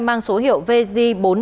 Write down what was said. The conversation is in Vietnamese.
mang số hiệu vz bốn trăm năm mươi tám